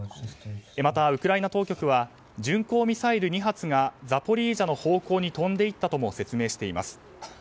またウクライナ当局は巡航ミサイル２発がザポリージャの方向に飛んでいったとも説明しています。